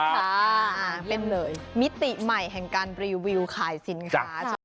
ค่ะเป็นเลยมิติใหม่แห่งการรีวิวขายสินค้าใช่ไหม